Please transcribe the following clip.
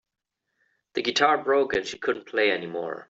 The guitar broke and she couldn't play anymore.